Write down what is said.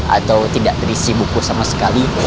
atau tidak berisi buku sama sekali